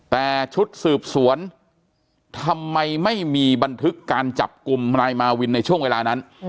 แต่ชุดสืบสวนทำไมไม่มีบันทึกการจับกลุ่มนายมาวินในช่วงเวลานั้น